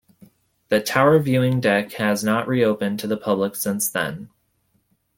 The tower viewing deck has not re-opened to the public since then.